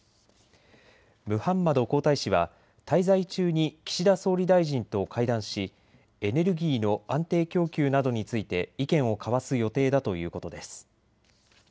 ムハンマド皇太子は滞在中に岸田総理大臣と会談しエネルギーの安定供給などについて意見を交わす予定だということです。